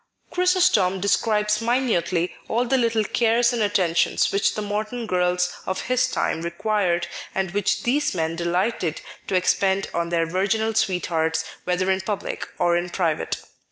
Chrysostom describes minutely all the little cares and attentions which the modern girls of his time required, and which these men delighted to expend on their virginal sweethearts whether in public or in private.